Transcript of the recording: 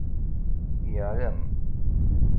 Yeεlem.